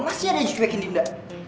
masih ada yang cucekin dinda